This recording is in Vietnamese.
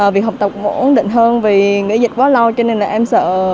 vì học tập ổn định hơn vì nghỉ dịch quá lâu cho nên em sợ